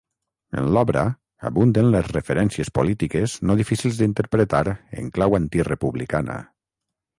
En l'obra abunden les referències polítiques no difícils d'interpretar en clau antirepublicana.